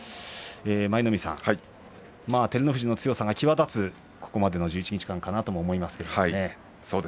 舞の海さん、照ノ富士の強さが際立つここまでの１１日間かなと思います。